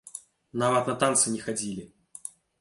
Нават на танцы не хадзілі!